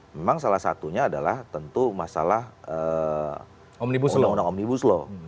memang salah satunya adalah tentu masalah undang undang omnibus law